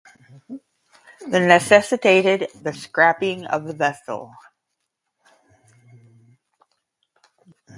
This necessitated the scrapping of the vessel.